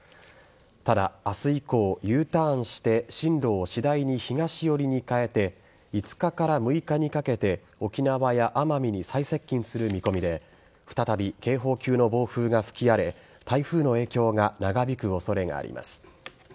ただ、明日以降Ｕターンして進路を次第に東寄りに変えて５日から６日にかけて沖縄や奄美に再接近する見込みで再び警報級の暴風が吹き荒れ台風の影響が長引く恐れがあります。